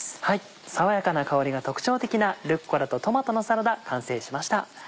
爽やかな香りが特徴的なルッコラとトマトのサラダ完成しました。